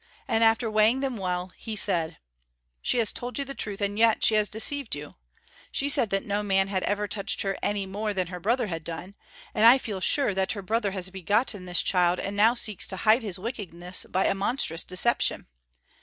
And after weighing them well, he said "She has told you the truth and yet she has deceived you. She said that no man had ever touched her any more than her brother had done, and I feel sure that her brother has begotten this child and now seeks to hide his wickedness by a monstrous deception.